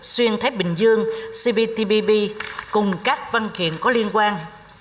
xuyên thái bình dương cptpp cùng các văn kiện có liên quan